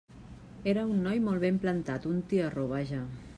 Era un noi molt ben plantat, un tiarró, vaja.